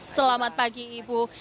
selamat pagi ibu